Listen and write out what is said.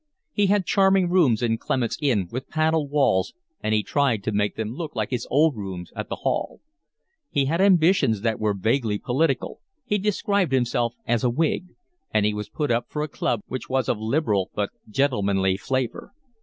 He had charming rooms in Clement's Inn, with panelled walls, and he tried to make them look like his old rooms at the Hall. He had ambitions that were vaguely political, he described himself as a Whig, and he was put up for a club which was of Liberal but gentlemanly flavour.